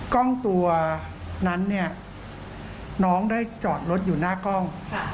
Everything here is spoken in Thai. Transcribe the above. กล้องตัวนั้นเนี่ยน้องได้จอดรถอยู่หน้ากล้อง